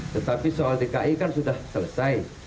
tetapi soal dki kan sudah selesai